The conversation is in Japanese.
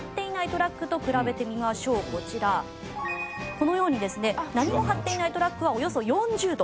このようにですね何も貼っていないトラックはおよそ４０度。